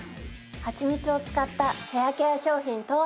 ハチミツを使ったヘアケア商品とは？